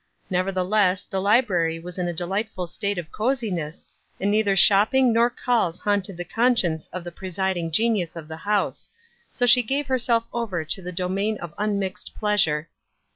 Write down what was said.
Never theless, the library was in a delightful state of coziness, and neither shopping nor calls haunted the conscience of the presiding genius of the house ; so she gave herself over to the domain of unmixed pleasure.